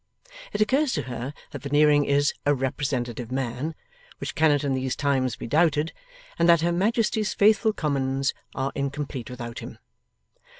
It occurs to her that Veneering is 'a representative man' which cannot in these times be doubted and that Her Majesty's faithful Commons are incomplete without him.